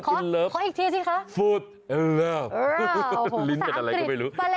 อีกขอขออีกทีสิคะฟูดเอ็นเลิฟฟูดเอ็นเลิฟ